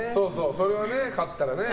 それは勝ったらね。